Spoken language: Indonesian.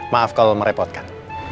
maaf kalau merepotkan